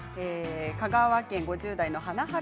香川県５０代の方。